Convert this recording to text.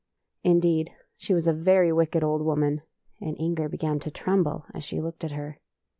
Indeed, she was a very wicked old woman, and Inger began to tremble as she looked at her.